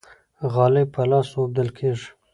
غالۍ په لاس اوبدل کیږي.